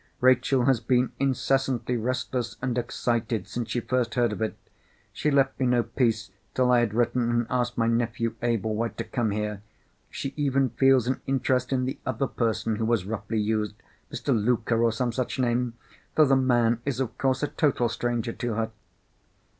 Rachel has been incessantly restless and excited since she first heard of it. She left me no peace till I had written and asked my nephew Ablewhite to come here. She even feels an interest in the other person who was roughly used—Mr. Luker, or some such name—though the man is, of course, a total stranger to her."